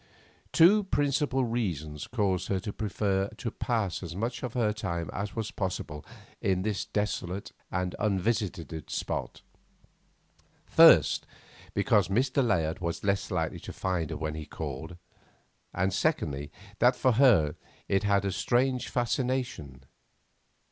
Two principal reasons caused her to prefer to pass as much of her time as was possible in this desolate and unvisited spot. First, because Mr. Layard was less likely to find her when he called, and secondly, that for her it had a strange fascination.